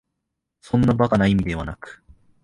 そんな馬鹿な意味ではなく、